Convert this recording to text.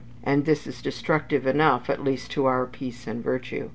And this is destructive enough, at least to our peace and virtue.